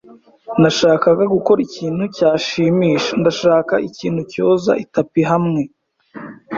Nashakaga gukora ikintu cyashimisha Ndashaka ikintu cyoza itapi hamwe.